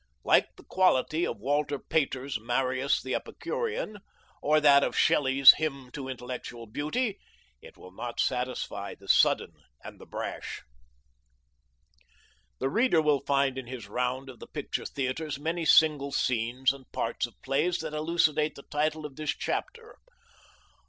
Like the quality of Walter Pater's Marius the Epicurean, or that of Shelley's Hymn to Intellectual Beauty, it will not satisfy the sudden and the brash. The reader will find in his round of the picture theatres many single scenes and parts of plays that elucidate the title of this chapter.